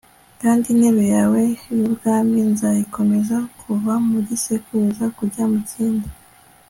kandi intebe yawe y'ubwami, nzayikomeza kuva mu gisekuruza kujya mu kindi